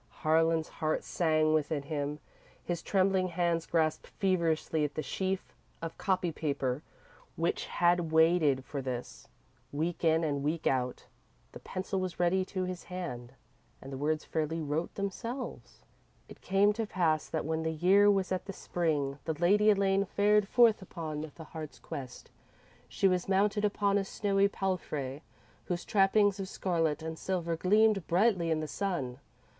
Harlan's heart sang within him. His trembling hands grasped feverishly at the sheaf of copy paper which had waited for this, week in and week out. The pencil was ready to his hand, and the words fairly wrote themselves: _It came to pass that when the year was at the Spring, the Lady Elaine fared forth upon the Heart's Quest. She was mounted upon a snowy palfrey, whose trappings of scarlet and silver gleamed brightly in the sun.